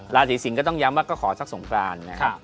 ราศีสิงศ์ก็ต้องย้ำว่าก็ขอสักสงกรานนะครับ